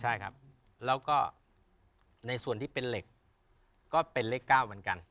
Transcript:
ใช่ครับแล้วก็ในส่วนที่เป็นเหล็กก็เป็นเลข๙เหมือนกัน